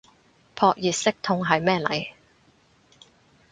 撲熱息痛係咩嚟